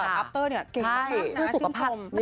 อัปเตอร์เนี่ยเก่งมากนะ